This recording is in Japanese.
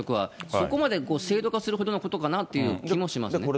そこまで制度化するほどのことかなという気もしますね。